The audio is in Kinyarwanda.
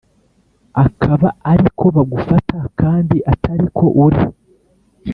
Akaba ari ko bagufata kandi Atari ko uri